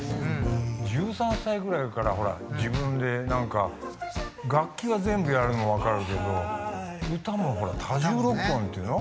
１３歳ぐらいから自分で何か楽器は全部やるの分かるけど歌も多重録音っていうの？